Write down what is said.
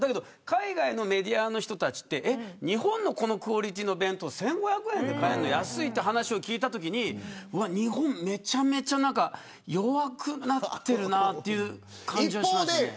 海外のメディアの人は日本のこのクオリティーの弁当が１５００円で買えるのは安いという話を聞いたとき日本はめちゃくちゃ弱くなってるなという感じがしました。